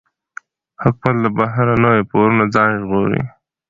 حکومت له بهرنیو پورونو ځان ژغوري.